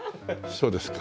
そうですか。